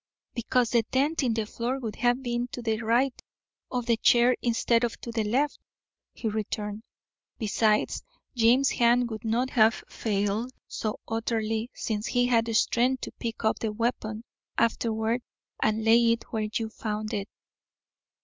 "Because the dent in the floor would have been to the right of the chair instead of to the left," he returned. "Besides, James's hand would not have failed so utterly, since he had strength to pick up the weapon afterward and lay it where you found it."